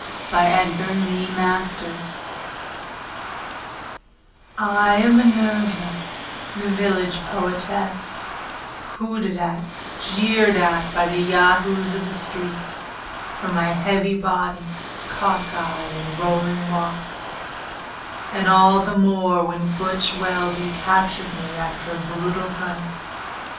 Minerva Jones I am Minerva, the village poetess, Hooted at, jeered at by the Yahoos of the street For my heavy body, cock eye, and rolling walk, And all the more when "Butch" Weldy Captured me after a brutal hunt.